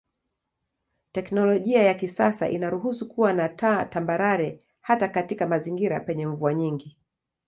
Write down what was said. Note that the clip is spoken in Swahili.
Teknolojia ya kisasa inaruhusu kuwa na taa tambarare hata katika mazingira penye mvua nyingi.